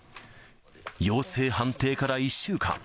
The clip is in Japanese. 陽性判定から１週間。